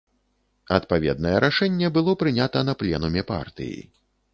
Адпаведнае рашэнне было прынята на пленуме партыі.